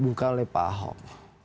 bukan oleh pak ahok